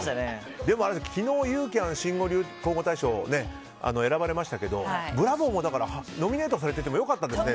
でも昨日ユーキャン新語・流行語大賞選ばれましたけどブラボーもノミネートされててもよかったですね。